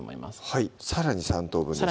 はいさらに３等分ですね